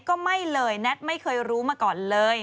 ก็ไม่เลยแน็ตไม่เคยรู้มาก่อนเลย